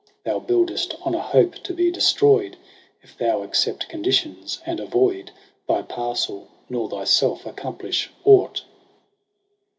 Thou buildest on a hope to be destroy'd. If thou accept conditions, and avoid Thy parcel, nor thyself accomplish aught.